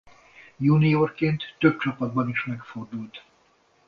Juniorként több csapatban is megfordult.